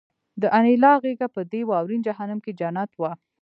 د انیلا غېږه په دې واورین جهنم کې جنت وه